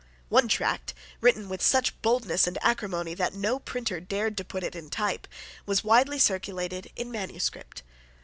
One tract, written with such boldness and acrimony that no printer dared to put it in type, was widely circulated in manuscript.